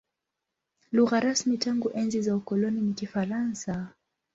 Lugha rasmi tangu enzi za ukoloni ni Kifaransa.